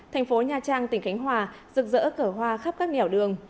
tp hcm dựng dỡ cỡ hoa khắp các nghèo đường